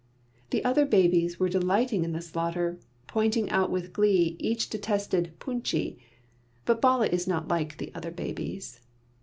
The other babies were delighting in the slaughter, pointing out with glee each detested "pûchie"; but Bala is not like the other babies.